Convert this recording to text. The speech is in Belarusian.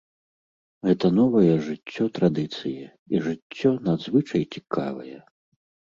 Гэта новае жыццё традыцыі, і жыццё надзвычай цікавае.